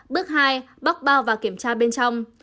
bước hai bóc bao và kiểm tra bên trong